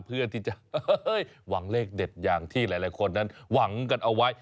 เพื่อที่จะหวังเลขเด็ดอย่างที่หลายคนนั้นหวังกันเอาไว้